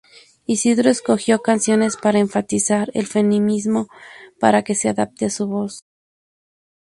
Isidro escogió canciones para enfatizar el feminismo para que se adapte a su voz.